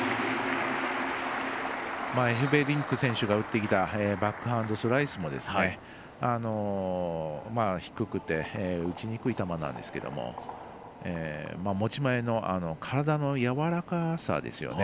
エフベリンク選手が打ってきたバックハンドスライスも低くて打ちにくい球なんですけど持ち前の体のやわらかさですよね。